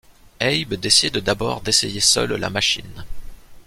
Abe décide d'abord d'essayer seul la machine.